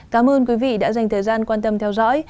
cảm ơn quý vị đã dành thời gian quan tâm theo dõi